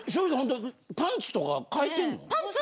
パンツとか替えてんの？